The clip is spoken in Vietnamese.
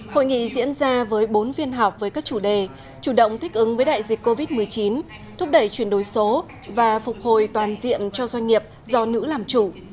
hội nghị diễn ra với bốn phiên họp với các chủ đề chủ động thích ứng với đại dịch covid một mươi chín thúc đẩy chuyển đổi số và phục hồi toàn diện cho doanh nghiệp do nữ làm chủ